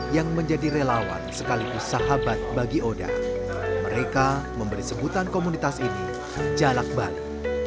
yang menjadi relawan sekaligus sahabat bagi oda mereka memberi sebutan komunitas ini jalak bali